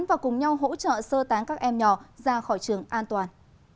và cùng nhau hỗ trợ sơ tán các em nhỏ ra khỏi trường an toàn